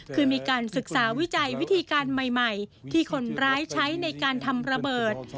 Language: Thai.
คือมีการศึกษาวิจัยวิธีการใหม่ที่คนร้ายใช้ในการทำระเบิด